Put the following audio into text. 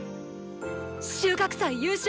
収穫祭優勝